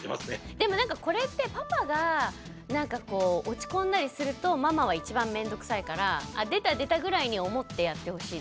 でもこれってパパがなんかこう落ち込んだりするとママは一番面倒くさいからああ出た出たぐらいに思ってやってほしいですね。